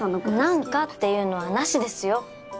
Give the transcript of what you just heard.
「なんか」っていうのはなしですよ。